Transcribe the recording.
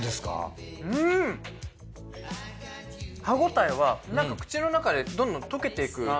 歯ごたえはなんか口の中でどんどん溶けていく。